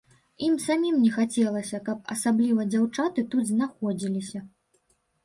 Ім самім не хацелася, каб асабліва дзяўчаты тут знаходзіліся.